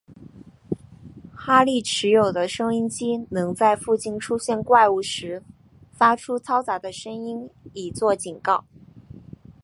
哈利持有的收音机能在附近出现怪物时发出嘈杂的声音以作警告。